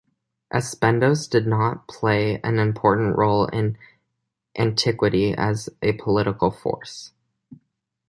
Aspendos did not play an important role in antiquity as a political force.